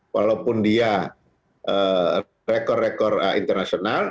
walaupun dia rekor rekor internasional